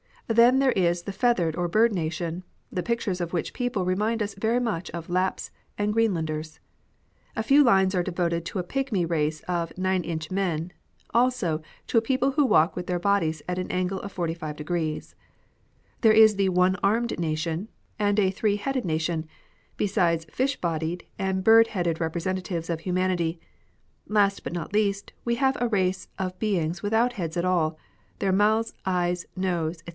Then there is the feathered or bird nation, the pictures of which people remind us very much of Lapps and Greenlanders. A few lines are devoted to a pygmy race of nine inch men, also to a people who walk with their bodies at an angle of 45°. There is the one armed nation, and a three headed nation, besides fish bodied and bird headed represen tatives of humanity; last but not least we have a race of beings without heads at all, their mouth, eyes, nose, &c.